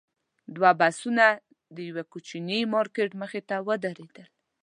دواړه بسونه د یوه کوچني مارکېټ مخې ته ودرېدل.